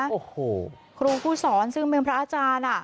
กูยกูสอนโรงพยาบาลซึ่งแม่นพระอาจารย์อ่ะ